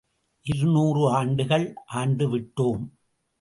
இருநூறு ஆண்டுகள் ஆண்டுவிட்டோம்.